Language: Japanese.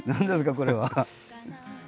これは。